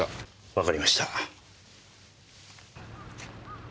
わかりました。